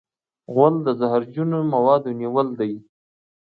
غول د زهرجنو موادو نیول دی.